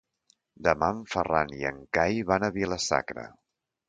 Demà en Ferran i en Cai van a Vila-sacra.